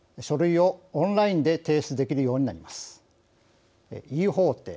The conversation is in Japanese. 書類をオンラインで提出できるようになります。